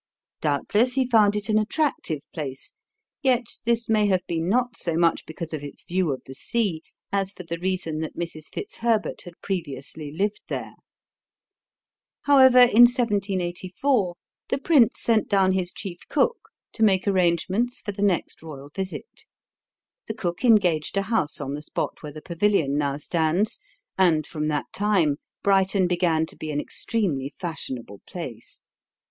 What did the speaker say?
Doubtless he found it an attractive place, yet this may have been not so much because of its view of the sea as for the reason that Mrs. Fitzherbert had previously lived there. However, in 1784 the prince sent down his chief cook to make arrangements for the next royal visit. The cook engaged a house on the spot where the Pavilion now stands, and from that time Brighton began to be an extremely fashionable place.